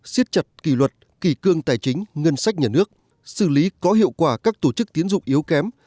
xiết chặt kỷ luật kỳ cương tài chính ngân sách nhà nước xử lý có hiệu quả các tổ chức tiến dụng yếu kém